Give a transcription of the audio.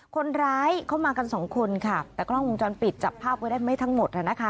คนร้ายเข้ามากันสองคนค่ะแต่กล้องวงจรปิดจับภาพไว้ได้ไม่ทั้งหมดนะคะ